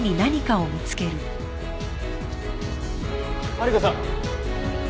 マリコさん。